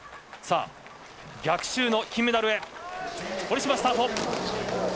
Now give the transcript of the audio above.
逆襲の金メダルへ。